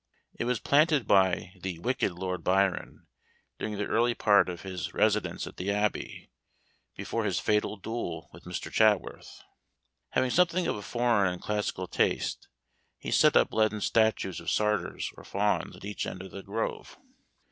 It was planted by "The Wicked Lord Byron," during the early part of his residence at the Abbey, before his fatal duel with Mr. Chaworth. Having something of a foreign and classical taste, he set up leaden statues of satyrs or fauns at each end of the grove.